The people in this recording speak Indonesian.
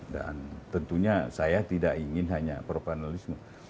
dan tentunya saya tidak ingin hanya profesionalisme